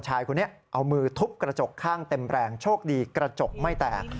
ชายคนนี้เอามือทุบกระจกข้างเต็มแรงโชคดีกระจกไม่แตก